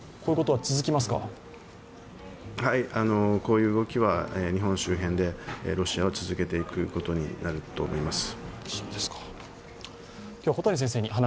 はい、こういう動きは日本周辺でロシアは続けていくことになると思います。